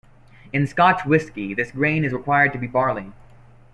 In Scotch whisky, this grain is required to be barley.